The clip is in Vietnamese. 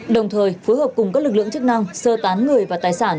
đồng thời phối hợp cùng các lực lượng chức năng sơ tán người và tài sản